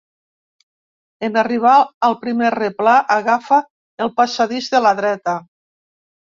En arribar al primer replà, agafa el passadís de la dreta.